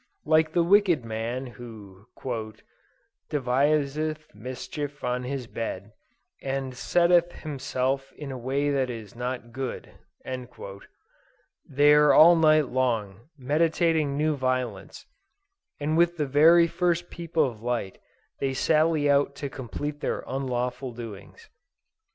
Like the wicked man who "deviseth mischief on his bed, and setteth himself in a way that is not good," they are all night long, meditating new violence, and with the very first peep of light, they sally out to complete their unlawful doings.